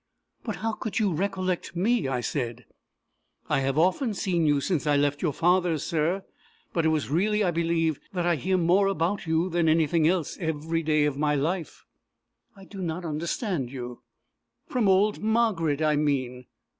"But how could you recollect me?" I said. "I have often seen you since I left your father's, sir. But it was really, I believe, that I hear more about you than anything else, every day of my life." "I do not understand you." "From old Margaret, I mean."